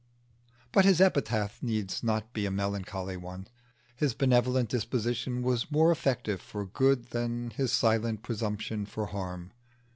But his epitaph needs not to be a melancholy one. His benevolent disposition was more effective for good than his silent presumption for harm.